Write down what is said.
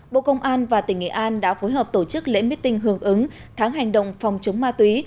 bộ công an và tỉnh nghệ an đã phối hợp tổ chức lễ meeting hưởng ứng tháng hành động phòng chống ma túy